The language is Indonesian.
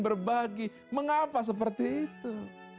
berbagi mengapa seperti itu